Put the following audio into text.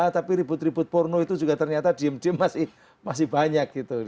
tapi ribut ribut porno itu juga ternyata diem diem masih banyak gitu